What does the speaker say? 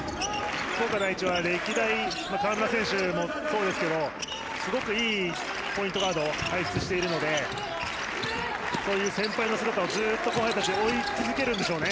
福岡第一は歴代河村選手もそうですがすごくいいポイントガードを輩出しているのでそういう先輩の姿をずっと後輩たちはずっと追い続けるんでしょうね。